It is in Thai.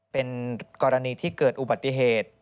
เป็นกรณีที่เกิดอุบัติเหตุ